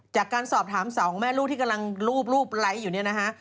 จากการสอบถามสองแม่ลูกที่กำลังรูปไลค์อยู่เนี่ยนะฮะ